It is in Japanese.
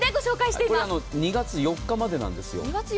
これ、２月４日までなんですよ。